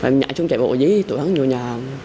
rồi nhảy xuống chạy bộ dưới tụi hắn vô nhà